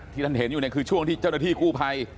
ท่านเห็นอยู่เนี่ยคือช่วงที่เจ้าหน้าที่กู้ภัย